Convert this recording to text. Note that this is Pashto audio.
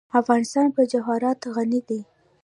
افغانستان په جواهرات غني دی.